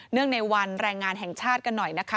งในวันแรงงานแห่งชาติกันหน่อยนะคะ